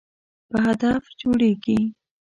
په هدف جوړیږي.